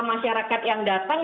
masyarakat yang datang